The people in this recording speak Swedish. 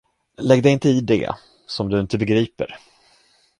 Lägg dig inte i det, som du inte begriper!